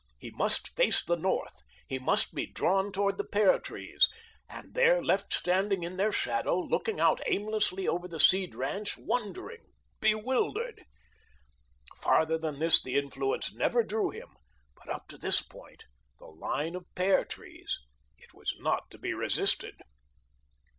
He must face the north; he must be drawn toward the pear trees, and there left standing in their shadow, looking out aimlessly over the Seed ranch, wondering, bewildered. Farther than this the influence never drew him, but up to this point the line of pear trees it was not to be resisted.